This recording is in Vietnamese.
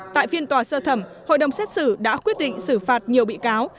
tại phiên tòa sơ thẩm hội đồng xét xử đã quyết định xử phạt nhiều bị cáo